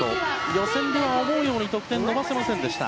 予選では思うように得点を伸ばせませんでした。